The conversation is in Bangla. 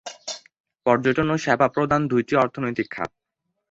পর্যটন ও সেবা প্রধান দুইটি অর্থনৈতিক খাত।